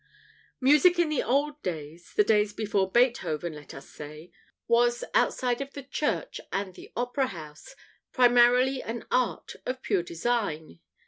Music in the old days the days before Beethoven, let us say was, outside of the church and the opera house, primarily an art of pure design.